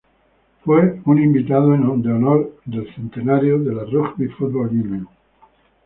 Fue un invitado de honor del Centenario de la Rugby Football Union.